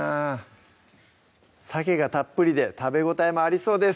さけがたっぷりで食べ応えもありそうです